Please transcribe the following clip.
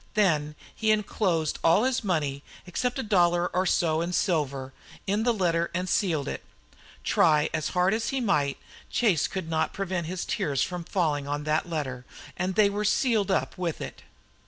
Then he enclosed all his money, except a dollar or so in silver, in the letter and sealed it. Try as hard as he might, Chase could not prevent his tears from falling on that letter and they were sealed up with it.